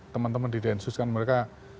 teman teman di densus kan mereka